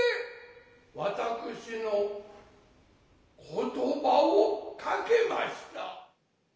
私の詞をかけました。